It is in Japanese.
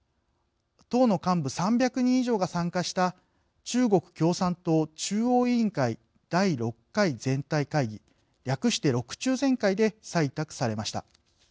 党の幹部３００人以上が参加した中国共産党中央委員会第６回全体会議略して６中全会で採択されました。